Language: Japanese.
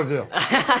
ハハハハ。